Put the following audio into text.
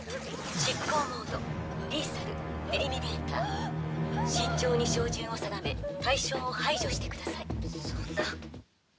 執行モードリーサル・エリミネーター慎重に照準を定め対象を排除してください。